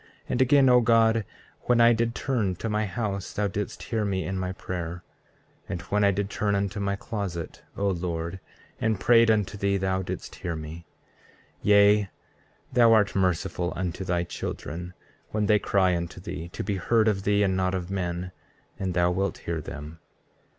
33:6 And again, O God, when I did turn to my house thou didst hear me in my prayer. 33:7 And when I did turn unto my closet, O Lord, and prayed unto thee, thou didst hear me. 33:8 Yea, thou art merciful unto thy children when they cry unto thee, to be heard of thee and not of men, and thou wilt hear them.